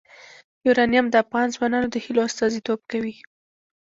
یورانیم د افغان ځوانانو د هیلو استازیتوب کوي.